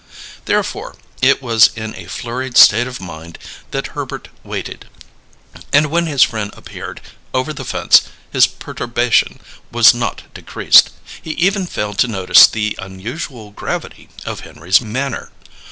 Therefore, it was in a flurried state of mind that Herbert waited; and when his friend appeared, over the fence, his perturbation was not decreased. He even failed to notice the unusual gravity of Henry's manner.